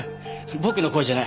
僕の声じゃない。